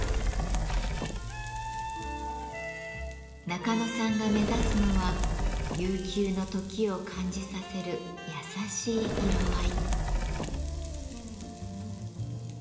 中野さんが目指すのは悠久の時を感じさせる優しい色合い。